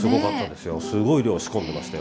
すごい量仕込んでましたよ